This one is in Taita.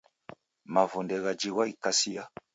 Mavunde ghajighwa ghikasia.